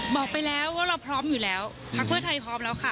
บอกไปแล้วว่าเราพร้อมอยู่แล้วพักเพื่อไทยพร้อมแล้วค่ะ